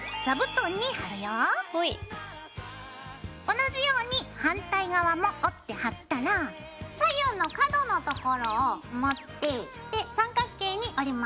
同じように反対側も折って貼ったら左右の角のところを持ってで三角形に折ります。